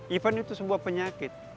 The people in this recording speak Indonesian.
bahkan itu sebuah penyakit